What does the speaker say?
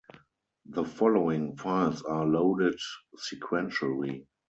The following files are loaded sequentially.